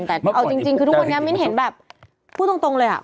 แต่เอาจริงคือทุกวันนี้มิ้นเห็นแบบพูดตรงเลยอ่ะ